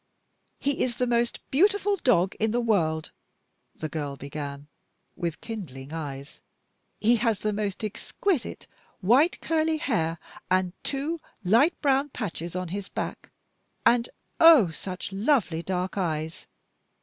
"He is the most beautiful dog in the world!" the girl began, with kindling eyes. "He has the most exquisite white curly hair and two light brown patches on his back and, oh! such lovely dark eyes!